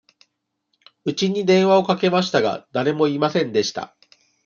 うちに電話をかけましたが、誰もいませんでした。